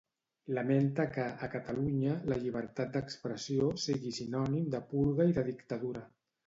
Lamenta que, a Catalunya, la llibertat d'expressió sigui sinònim de purga i de dictadura.